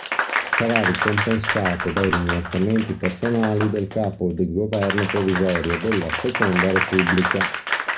Sarà ricompensato dai ringraziamenti personali del Capo di Governo provvisorio della Seconda Repubblica.